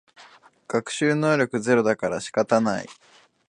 学習能力ゼロだから仕方ない